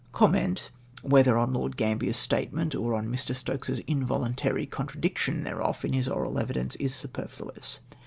Comment, whether on Lord Gambler's statement or on Mr. Stokes's involuntary contradiction thereof in his oral evidence, is superfluous.